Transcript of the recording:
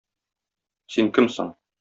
Син кем соң?